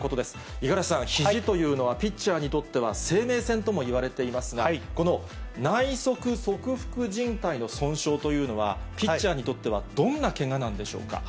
五十嵐さん、ひじというのはピッチャーにとっては、生命線ともいわれていますが、この内側側副じん帯の損傷というのは、ピッチャーにとってはどんなけがなんでしょうか。